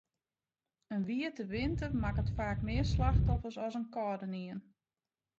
In wiete winter makket faak mear slachtoffers as in kâldenien.